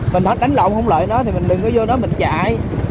mình nói đánh lộn không lợi nó thì mình đừng có vô đó mình chạy